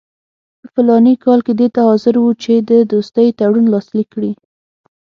په فلاني کال کې دې ته حاضر وو چې د دوستۍ تړون لاسلیک کړي.